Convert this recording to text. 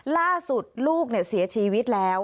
ล่าสุดลูกเสียชีวิตแล้ว